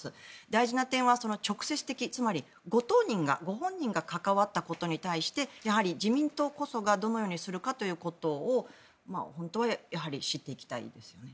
大事な点は直接的つまりご当人、ご本人が関わったことに対してやはり自民党こそがどのようにするかということを本当はやはり知っていきたいですよね。